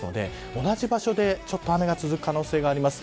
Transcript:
同じ場所で雨が続く可能性があります。